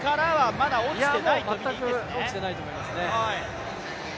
全く落ちてないと思いますね。